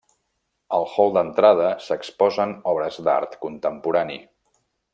Al hall d'entrada s'exposen obres d'art contemporani.